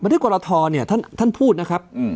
บันทึกกวรทอเนี่ยท่านพูดนะครับ